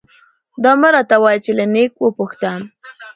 _دا مه راته وايه چې له نيکه وپوښته.